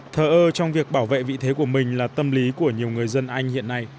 thờ ơ trong việc bảo vệ vị thế của mình là tâm lý của nhiều người dân anh hiện nay